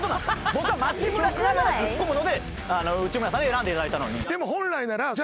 僕は街ブラしながらツッコむので内村さんに選んでいただいたのにでも本来ならじゃ